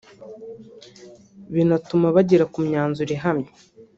bituma banagera ku myanzuro ihamye